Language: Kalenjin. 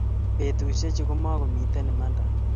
petushechu ko makomitei imanda